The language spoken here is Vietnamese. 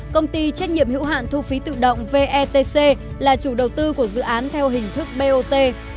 công ty trách nhiệm hữu hạn thu phí tự động vetc là chủ đầu tư của dự án theo hình thức bot